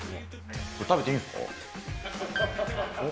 食べていいですか？